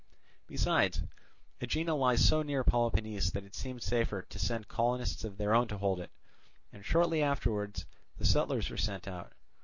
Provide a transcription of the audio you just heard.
Besides, Aegina lies so near Peloponnese that it seemed safer to send colonists of their own to hold it, and shortly afterwards the settlers were sent out.